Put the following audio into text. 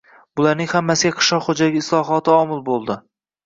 Bularning hammasiga qishloq xo‘jaligi islohoti omil bo‘ldi.